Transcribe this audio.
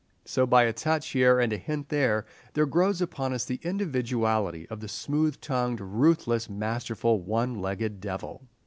So, by a touch here and a hint there, there grows upon us the individuality of the smooth tongued, ruthless, masterful, one legged devil.